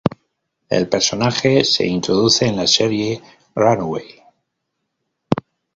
El personaje se introduce en la serie "Runaways".